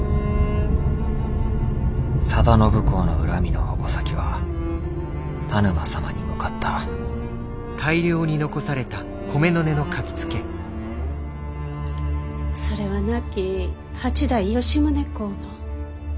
定信公の恨みの矛先は田沼様に向かったそれは亡き八代吉宗公の。